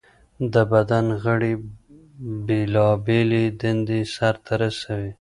د بدن غړي بېلابېلې دندې سرته رسوي.